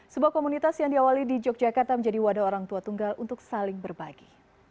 sebuah komunitas yang diawali di yogyakarta menjadi wadah orang tua tunggal untuk saling berbagi